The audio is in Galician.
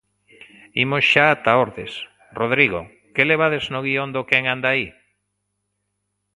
Imos xa ata Ordes. Rodrigo, que levades no guión do "Quen anda aí?".